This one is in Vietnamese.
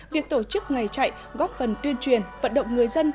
việc tổ chức ngày chạy góp phần tuyên truyền vận động người dân